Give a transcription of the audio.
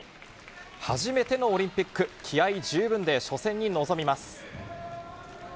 初めてのオリンピック、気合い十分で初戦に臨みます。